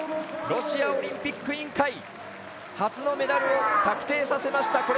ロシアオリンピック委員会初のメダルを確定させました。